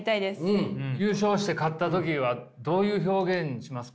優勝して勝った時はどういう表現しますか？